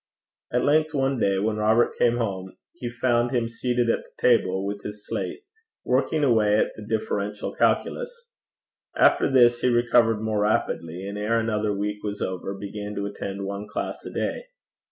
At length one day when Robert came home he found him seated at the table, with his slate, working away at the Differential Calculus. After this he recovered more rapidly, and ere another week was over began to attend one class a day.